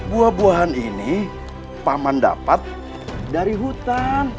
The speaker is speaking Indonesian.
buah buahan ini paman dapat dari hutan